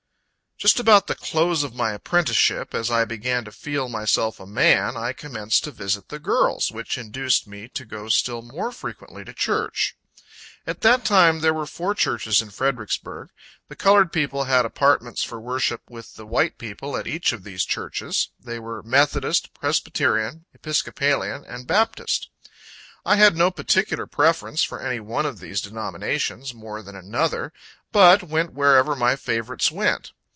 Just about the close of my apprenticeship, and as I began to feel myself a man, I commenced to visit the girls, which induced me to go still more frequently to church. At that time, there were four churches in Fredericksburg. The colored people had apartments for worship with the white people, at each of these churches. They were Methodist, Presbyterian, Episcopalian and Baptist. I had no particular preference for any one of these denominations, more than another; but, went wherever my favorites went.